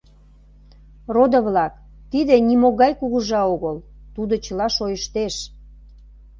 Родо-влак, тиде нимогай Кугыжа огыл, тудо чыла шойыштеш.